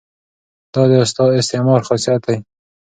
دا د استعمار خاصیت دی.